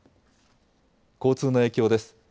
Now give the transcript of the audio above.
交通の影響です。